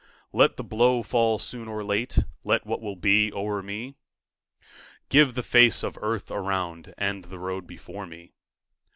Let the blow fall soon or late, Let what will be o'er me; Give the face of earth around, And the road before me.